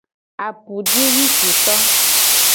Apujihukuto.